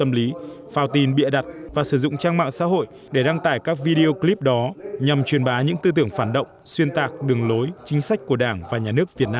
phào tín bịa đặt và sử dụng trang mạng xã hội để đăng tải các video clip đó nhằm truyền bá những tư tưởng phản động xuyên tạc đường lối chính sách của đảng và nhà nước việt nam